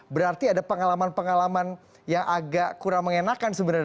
berarti ada pengalaman pengalaman yang agak kurang mengenakan sebenarnya